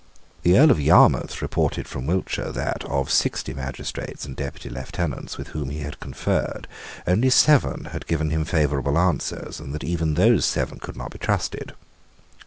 The Earl of Yarmouth reported from Wiltshire that, of sixty magistrates and Deputy Lieutenants with whom he had conferred, only seven had given favourable answers, and that even those seven could not be trusted.